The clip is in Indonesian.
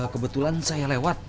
kebetulan saya lewat